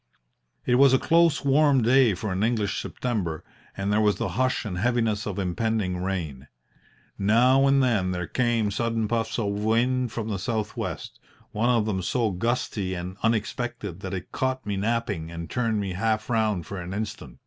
"It was a close, warm day for an English September, and there was the hush and heaviness of impending rain. Now and then there came sudden puffs of wind from the south west one of them so gusty and unexpected that it caught me napping and turned me half round for an instant.